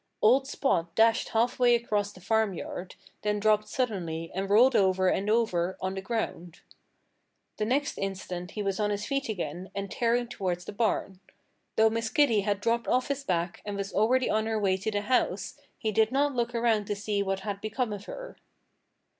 Old Spot dashed half way across the farmyard, then dropped suddenly and rolled over and over on the ground. The next instant he was on his feet again and tearing toward the barn. Though Miss Kitty had dropped off his back and was already on her way to the house he did not look around to see what had become of her.